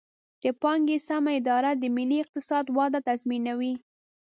د پانګې سمه اداره د ملي اقتصاد وده تضمینوي.